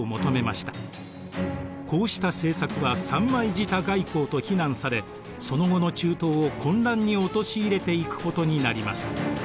こうした政策は三枚舌外交と非難されその後の中東を混乱に陥れていくことになります。